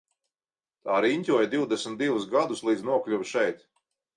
Tā riņķoja divdesmit divus gadus līdz nokļuva šeit.